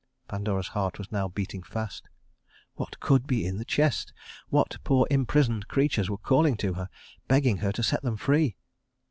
Pandora's heart was now beating fast. What could be in the chest? What poor imprisoned creatures were calling to her, begging her to set them free?